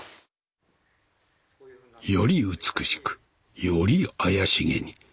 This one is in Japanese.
より美しくより妖しげに。